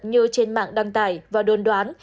như trên mạng đăng tải và đồn đoán